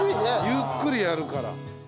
ゆっくりやるから。